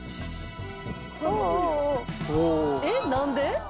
えっ何で？